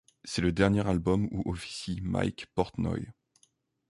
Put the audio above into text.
C'est le dernier album où officie Mike Portnoy.